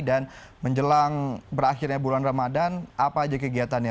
dan menjelang berakhirnya bulan ramadan apa aja kegiatannya